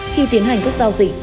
khi tiến hành các giao dịch